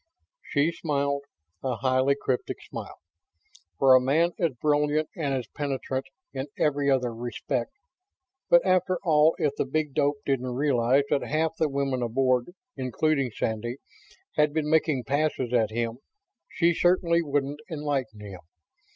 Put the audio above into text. She smiled a highly cryptic smile. For a man as brilliant and as penetrant in every other respect ... but after all, if the big dope didn't realize that half the women aboard, including Sandy, had been making passes at him, she certainly wouldn't enlighten him.